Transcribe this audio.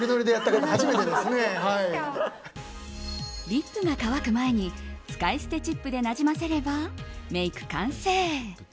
リップが乾く前に使い捨てチップでなじませれば、メイク完成。